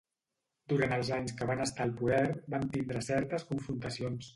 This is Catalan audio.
Durant els anys que van estar al poder, van tindre certes confrontacions.